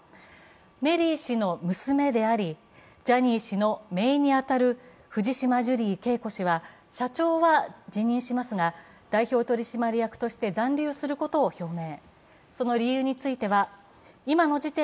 メリー氏の娘であり、ジャニー氏のめいに当たる藤島ジュリー景子氏は社長は辞任しますが代表取締役として残留することを表明。